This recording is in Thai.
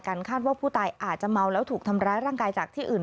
คาดว่าผู้ตายอาจจะเมาแล้วถูกทำร้ายร่างกายจากที่อื่น